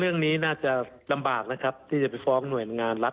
เรื่องนี้น่าจะลำบากนะครับที่จะไปฟ้องหน่วยงานรัฐ